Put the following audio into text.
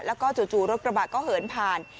แล้วก็จู่รถกระบะก็เหินผ่าน